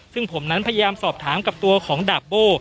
ซึ่งผมนั้นพยายามสอบถามกับตัวของดาบโบ้